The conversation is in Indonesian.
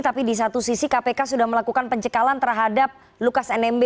tapi di satu sisi kpk sudah melakukan pencekalan terhadap lukas nmb